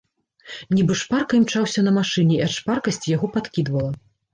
Нібы шпарка імчаўся на машыне і ад шпаркасці яго падкідвала.